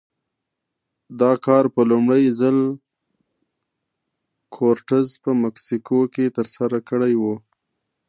دا کار په لومړي ځل کورټز په مکسیکو کې ترسره کړی و.